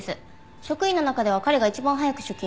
職員の中では彼が一番早く出勤していました。